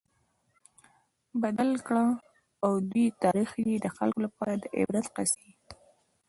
بدل کړ، او د دوی تاريخ ئي د خلکو لپاره د عبرت قيصي